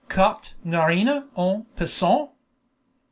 Capte Nerina en passant.